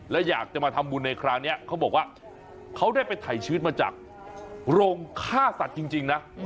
และอยากจะมาทำบุญในคราวนี้เขาบอกว่าเขาได้ไปถ่ายชีวิตมาจากโรงฆ่าสัตว์จริงนะ